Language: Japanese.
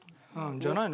じゃないの？